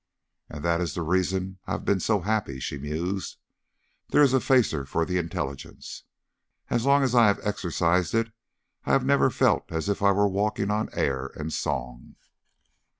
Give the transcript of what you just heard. "And that is the reason I have been so happy," she mused. "There is a facer for the intelligence. As long as I have exercised it I have never felt as if I were walking on air and song."